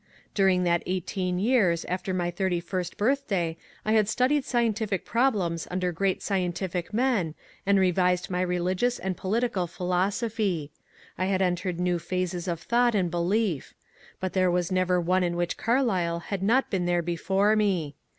Dur ing that eighteen years after my thirty first birthday I had studied scientific problems under great scientific men and revised my religious and political philosophy ; I had entered new phases of tiiought and belief ; but there was never one in which Carlyle had not been there before me.